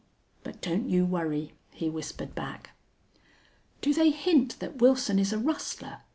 But don't you worry," he whispered back. "Do they hint that Wilson is a rustler?"